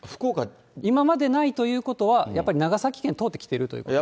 今までないということは、やっぱり長崎県通ってきてるということです。